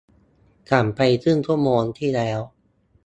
สั่งไปครึ่งชั่วโมงที่แล้ว